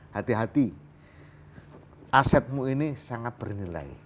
hati hati asetmu ini sangat bernilai